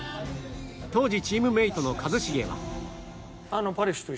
当時チームメートの一茂は